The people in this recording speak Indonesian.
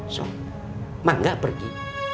so mak nggak pergi